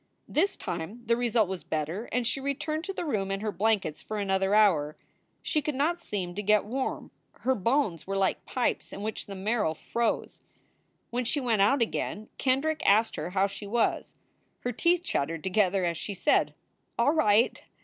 This time the result was better, and she returned to the room and her blankets for another hour. She could not seem to get warm. Her bones were like pipes in which the marrow froze. SOULS FOR SALE 307 When she went out again Kendrick asked her how she was. Her teeth chattered together as she said, "All right t t t.